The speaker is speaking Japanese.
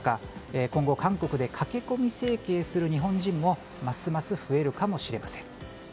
今後、韓国で駆け込み整形する日本人もますます増えるかもしれません。